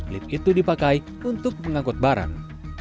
lift itu dipakai untuk mengangkut barang